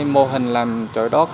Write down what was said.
mô hình làm trội đốt